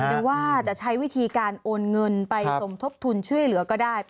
หรือว่าจะใช้วิธีการโอนเงินไปสมทบทุนช่วยเหลือก็ได้